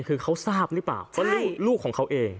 คือเขาทราบนี่ป่ะว่าลูกของเขาเอง